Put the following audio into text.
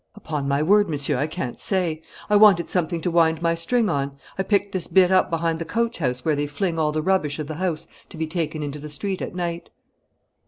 "Upon my word, Monsieur, I can't say. I wanted something to wind my string on. I picked this bit up behind the coach house where they fling all the rubbish of the house to be taken into the street at night."